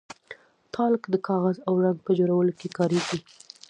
تالک د کاغذ او رنګ په جوړولو کې کاریږي.